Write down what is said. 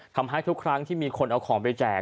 ทำให้ทุกครั้งที่มีคนเอาของไปแจก